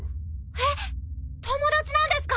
えっ友達なんですか！？